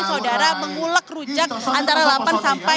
saudara mengulek rujak antara delapan sampai